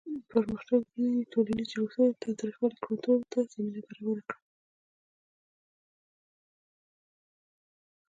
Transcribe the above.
پرمختللي ټولنیز جوړښتونه د تاوتریخوالي کنټرول ته زمینه برابره کړه.